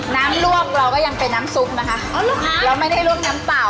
ลวกเราก็ยังเป็นน้ำซุปนะคะเราไม่ได้ลวกน้ำเปล่า